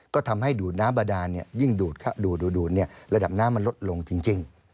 ก็ทำให้ดูดน้ำบาดานยิ่งดูดดูดระดับน้ำมันลดลงจริง